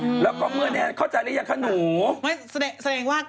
อืมแล้วก็เมื่อนั้นเขาจะเรียกว่าหนูไม่สเนกว่า